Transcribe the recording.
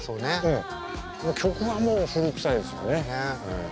曲はもう古臭いですよね。